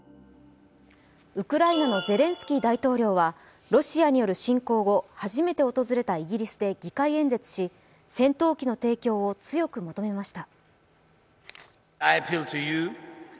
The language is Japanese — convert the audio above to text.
ウクライナのゼレンスキー大統領はロシアによる侵攻後、初めて訪れたイギリスで議会演説し、戦闘機の提供を強く求めました。